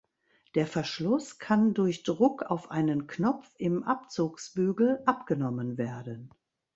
Der Verschluss kann durch Druck auf einen Knopf im Abzugsbügel abgenommen werden.